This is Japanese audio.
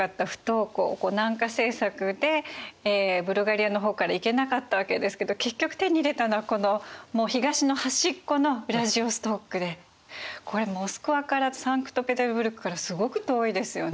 南下政策でブルガリアの方から行けなかったわけですけど結局手に入れたのはこの東の端っこのウラジヴォストクでこれモスクワからサンクトペテルブルクからすごく遠いですよね。